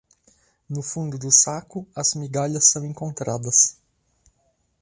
No fundo do saco, as migalhas são encontradas.